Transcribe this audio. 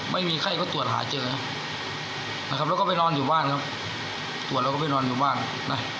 ไม่มีไข้ก็ตรวจหาเจอนะครับแล้วก็ไปนอนอยู่บ้านครับตรวจแล้วก็ไปนอนอยู่บ้านนะ